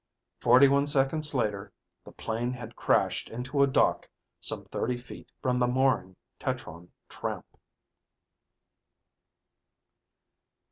Forty one seconds later, the plane had crashed into a dock some thirty feet from the mooring tetron tramp.